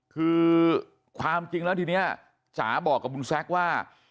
คือความจริงแล้วทีนี้จ๋าบอกกับบุญแซคว่า